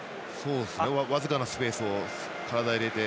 僅かなスペースに体を入れて。